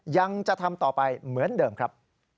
ยังจะทำต่อไปเหมือนเดิมครับ